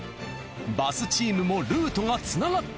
バスチームもルートが繋がった。